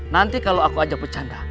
nanti kalau aku ajak bercanda